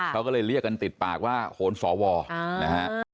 เขาก็เลยเรียกกันติดปากว่าโหนสวนะฮะ